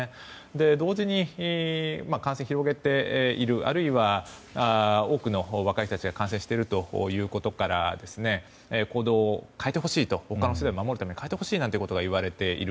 同時に、感染を広げているあるいは多くの若い人たちが感染しているということから行動を変えてほしいと他の世代を守るために変えてほしいということが言われている。